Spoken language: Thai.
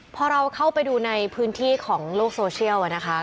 พอเราเข้าไปดูในพื้นที่ของโลกโซเชียลนะคะ